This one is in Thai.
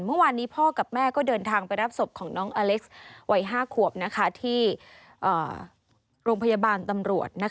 เมื่อวานนี้พ่อกับแม่ก็เดินทางไปรับศพของน้องอเล็กซ์วัย๕ขวบที่โรงพยาบาลตำรวจ